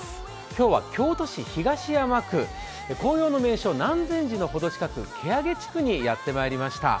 今日は京都市東山区紅葉の名所、南禅寺のほど近くにやってまいりました。